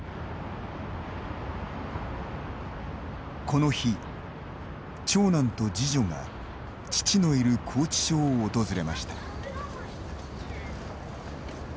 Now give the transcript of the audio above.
この日、長男と次女が父のいる拘置所を訪れました。